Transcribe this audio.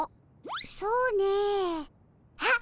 そうねあっ